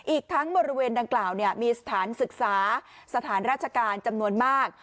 อีกทั้งบริเวณดังกล่าวมีสถานศึกษาสถานราชการจำนวนมาก